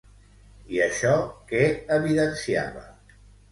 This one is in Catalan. I això què evidenciava?